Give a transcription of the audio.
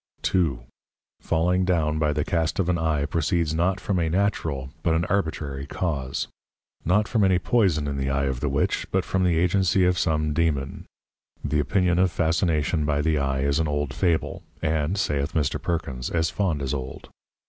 2. Falling down by the cast of an Eye proceeds not from a natural, but an arbitrary Cause; not from any Poyson in the Eye of the Witch, but from the Agency of some Dæmon: The opinion of Fascination by the Eye is an old Fable, and (saith Mr. Perkins) as fond as old.